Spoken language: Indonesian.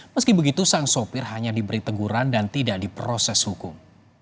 meski begitu sang sopir hanya diberi teguran dan tidak diproses hukum